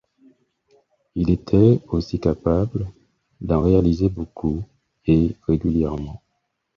Il était aussi capable d'en réaliser beaucoup et régulièrement.